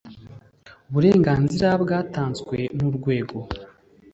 uburenganzira byatanzwe n urwego